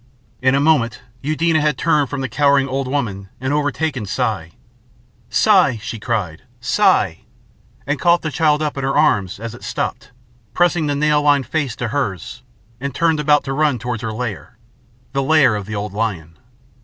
In a moment Eudena had turned from the cowering old woman and overtaken Si. "Si!" she cried, "Si!" She caught the child up in her arms as it stopped, pressed the nail lined face to hers, and turned about to run towards her lair, the lair of the old lion.